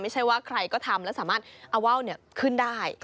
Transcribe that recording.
ไม่ใช่ว่าใครก็ทำแล้วสามารถเอาว่าวขึ้นได้